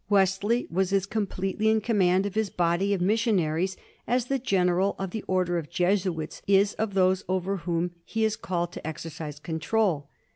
Wesley was as completely in command of his body of missionanes as the general of the order of Jesuits is of those over whom he is called to exercise control.